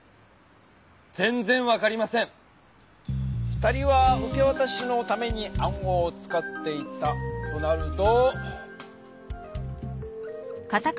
２人は受けわたしのために暗号を使っていたとなると。